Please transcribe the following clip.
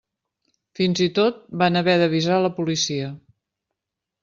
Fins i tot van haver d'avisar la policia.